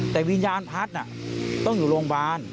แต่วิญญาณพัฒน์ต้องอยู่โรงพยาบาล